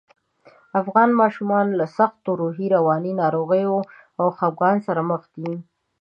افغان ماشومان له سختو روحي، رواني ناروغیو او خپګان سره مخ دي